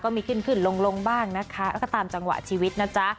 มีขึ้นขึ้นลงบ้างนะคะแล้วก็ตามจังหวะชีวิตนะจ๊ะ